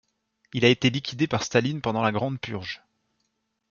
Il a été liquidé par Staline pendant la Grande Purge.